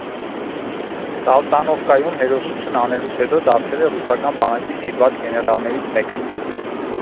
Սալտանովկայում հերոսություն անելուց հետո դարձել է ռուսական բանակի սիրված գեներալներից մեկը։